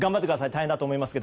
大変だと思いますが。